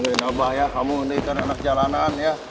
nanti nabah ya kamu udah ikut anak jalanan ya